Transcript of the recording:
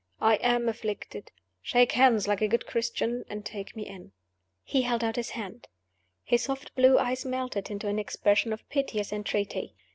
I am afflicted. Shake hands like a good Christian, and take me in." He held out his hand. His soft blue eyes melted into an expression of piteous entreaty.